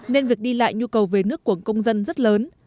nên việc đi lại nhu cầu về nước của công dân rất lớn